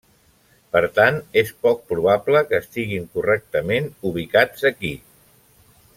Per tant, és poc probable que estiguin correctament ubicats aquí.